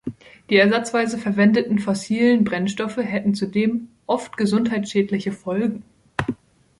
Die ersatzweise verwendeten fossilen Brennstoffe hätten zudem „oft gesundheitsschädliche Folgen“.